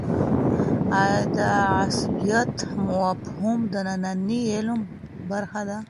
آیا د عصبيت مفهوم د ننني علم برخه ده؟